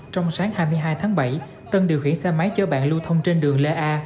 trong sáng hai mươi hai tháng bảy tân điều khiển xe máy chở bạn lưu thông trên đường lê a